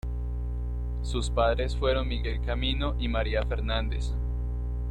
Sus padres fueron Miguel Camino y María Fernández.